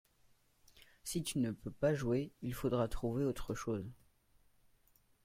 Si tu ne peux pas jouer il faudra trouver autre chose.